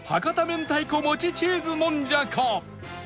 明太子もちチーズもんじゃか？